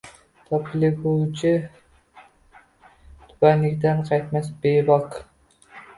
Topilguvchi tubanlikdan qaytmas bebok.